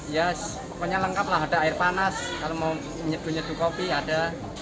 ya pokoknya lengkap lah ada air panas kalau mau menyeduh nyeduh kopi ada